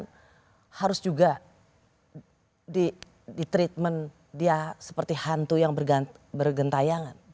karena harus juga ditreatment dia seperti hantu yang bergentayangan